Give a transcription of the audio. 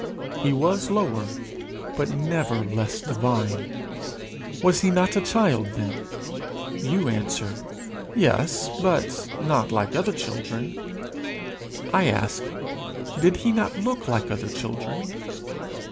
He was lower, but never less divine. Was he not a child then? You answer, "Yes, but not like other children." I ask, "Did he not look like other children?"